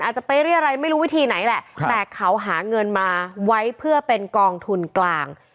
อาจจะไปเรียรัยไม่รู้วิธีไหนแหละแต่เขาหาเงินมาไว้เพื่อเป็นกองทุนกลาง